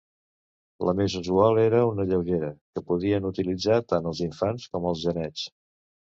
La més usual era una lleugera, que podien utilitzar tant els infants com els genets.